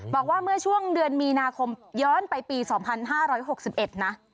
บอกว่าเมื่อช่วงเดือนมีนาคมย้อนไปปี๒๕๖๑นะ